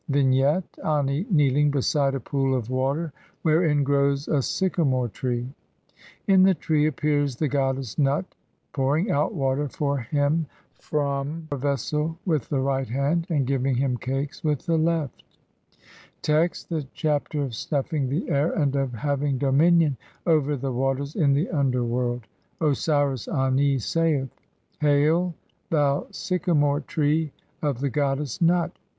] Vignette : Ani kneeling beside a pool of water, wherein grows a syca more tree ; in the tree appears the goddess Nut pouring out water for him from a vessel with the right hand, and giving him cakes with the left. THE CHAPTERS OF GIVING AIR TO THE DECEASED. log Text : (i) The Chapter of snuffing the air, and of HAVING DOMINION OVER THE WATERS IN THE UNDERWORLD. Osiris Ani saith :— "Hail, thou sycamore tree of the goddess Nut!